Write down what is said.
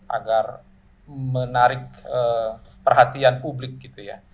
agar menarik perhatian publik gitu ya